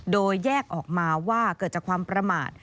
โดยแยกออกมาว่าเกิดจากความประมาท